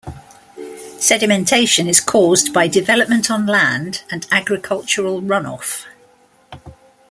Sedimentation is caused by development on land and agricultural runoff.